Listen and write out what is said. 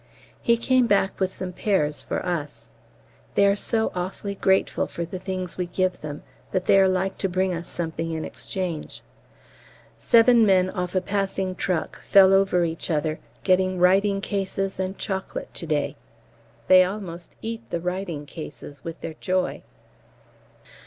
He came back with some pears for us. They are so awfully grateful for the things we give them that they like to bring us something in exchange. Seven men off a passing truck fell over each other getting writing cases and chocolate to day. They almost eat the writing cases with their joy.